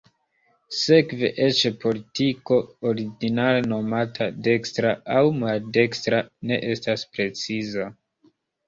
Sekve, eĉ politiko ordinare nomata "dekstra" aŭ "maldekstra" ne estas preciza.